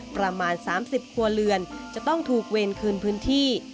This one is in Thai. ประมาณ๓๐ครัวเรือนจะต้องถูกเวรคืนพื้นที่